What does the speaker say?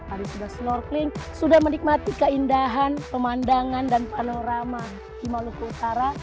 tadi sudah snorkeling sudah menikmati keindahan pemandangan dan panorama di maluku utara